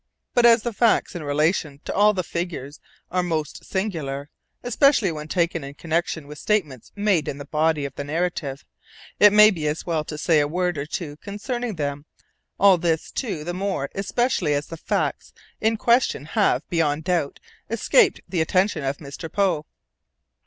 But as the facts in relation to all the figures are most singular (especially when taken in connection with statements made in the body of the narrative), it may be as well to say a word or two concerning them all—this, too, the more especially as the facts in question have, beyond doubt, escaped the attention of Mr. Poe.